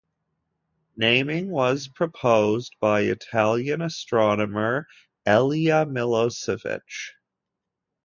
Naming was proposed by Italian astronomer Elia Millosevich.